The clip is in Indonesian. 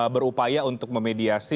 berupaya untuk memediasi